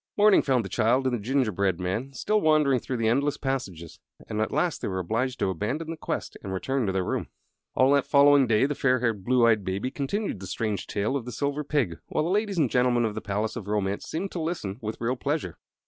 Morning found the child and the gingerbread man still wandering through the endless passages, and at last they were obliged to abandon the quest and return to their room. All that following day the fair haired, blue eyed Baby continued the strange tale of the Silver Pig, while the ladies and gentlemen of the Palace of Romance seemed to listen with real pleasure.